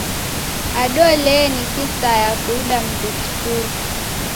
Ado lee, ni kisaya kuida mndu kituri?